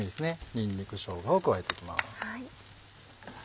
にんにくしょうがを加えていきます。